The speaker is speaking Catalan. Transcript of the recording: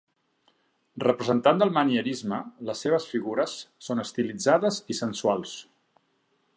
Representant del manierisme, les seves figures són estilitzades i sensuals.